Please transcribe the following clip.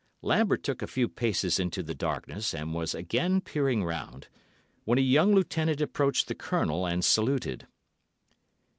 Lambert took a few paces into the darkness, and was again peering round, when a young lieutenant approached the Colonel and saluted.